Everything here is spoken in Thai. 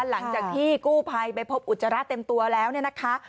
หลังจากที่กู้ภัยไปพบอุจจาระเต็มตัวแล้วเนี่ยนะคะ